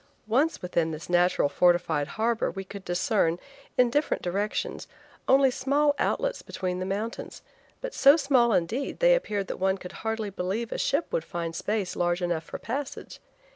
Once within this natural fortified harbor we could discern, in different directions, only small outlets between the mountains, but so small, indeed, they appeared that one could hardly believe a ship would find space large enough for passage.